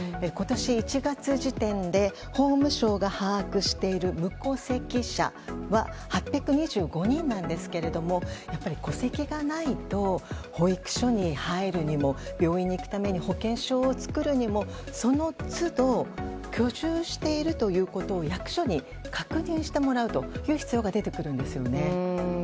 今年１月時点で法務省が把握している無戸籍者は８２５人なんですがやっぱり戸籍がないと保育所に入るにも病院に行くための保険証を作るのにもその都度居住しているということを役所に確認してもらう必要が出てくるんですよね。